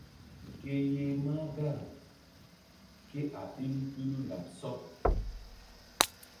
Ke yeh mahgar ke a ɓilu ɓilu laɓ sɔɗ.